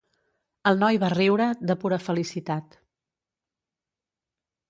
El noi va riure, de pura felicitat.